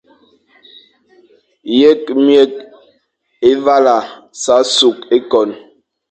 Yekh myekh, Évala sa sukh ékon,